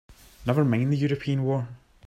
Never mind the European war!